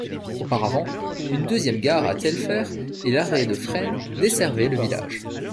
Auparavant, une deuxième gare à Tailfer et l'arrêt de Fresne desservaient le village.